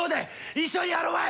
一緒にやろまい！